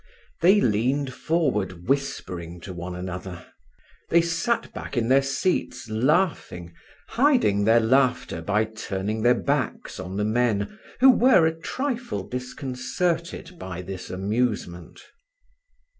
They leaned forward whispering one to another. They sat back in their seats laughing, hiding their laughter by turning their backs on the men, who were a trifle disconcerted by this amusement.